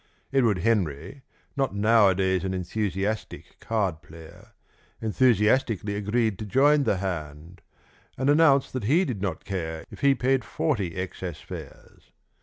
Edward Henry, not nowadays an enthusiastic card player, enthusiastically agreed to join the hand, and announced that he did not care if he paid forty excess fares.